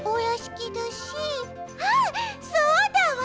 あそうだわ！